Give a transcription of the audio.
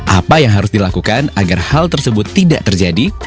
apa yang harus dilakukan agar hal tersebut tidak terjadi